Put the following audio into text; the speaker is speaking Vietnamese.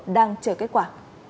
đang chờ kết quả